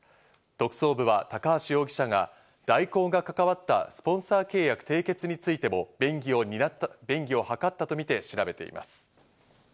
特捜部は高橋容疑者が大広が関わったスポンサー契約締結についても便宜を図ったとみて調べています。